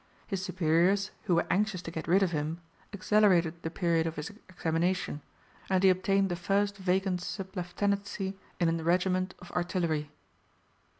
His superiors, who were anxious to get rid of him, accelerated the period of his examination, and he obtained the first vacant sub lieutenancy in a regiment of artillery.